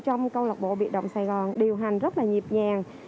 trong câu lạc bộ bị động sài gòn điều hành rất là nhịp nhàng